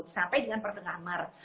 sampai dengan pertengah maret